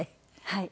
はい。